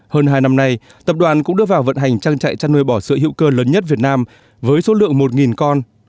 hơn hai năm nay tập đoàn cũng đưa vào vận hành trang trại chăn nuôi bò sữa hữu cơ lớn nhất việt nam với số lượng một con